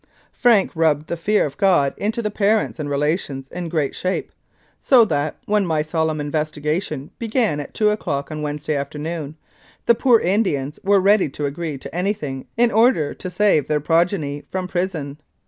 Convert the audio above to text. Frank rubbed the fear of God into the parents and relations in great shape, so that, when my solemn investigation began at two o'clock on Wednesday afternoon, the poor Indians were ready to agree to anything in order to save their progeny from prison.